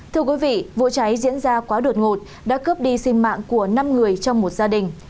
thưa quý vị vụ cháy diễn ra quá đột ngột đã cướp đi sinh mạng của năm người trong một gia đình